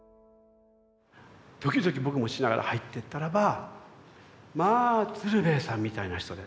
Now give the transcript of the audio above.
ドキドキ僕もしながら入ってったらばまあ鶴瓶さんみたいな人で。